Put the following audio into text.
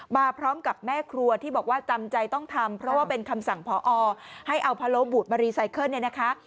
มาพร้อมกับแม่ครัวที่บอกว่าจำใจต้องทำเพราะว่าเป็นคำสั่งพอให้เอาพะโลบูดมารีไซเคิลเนี่ยนะคะ